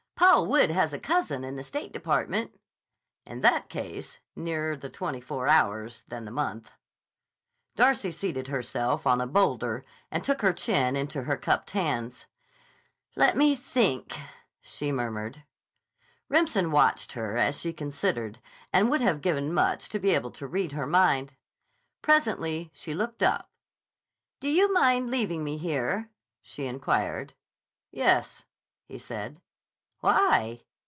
"Paul Wood has a cousin in the State Department." "In that case, nearer the twenty four hours than the month." Darcy seated herself on a boulder and took her chin into her cupped hands. "Let me think," she murmured. Remsen watched her as she considered and would have given much to be able to read her mind. Presently she looked up. "Do you mind leaving me here?" she inquired. "Yes," he said. "Why?"